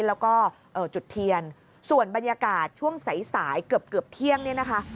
แล้วก็จุดเทียนส่วนบรรยากาศช่วงสายสายเกือบเกือบเที่ยงเนี่ยนะคะ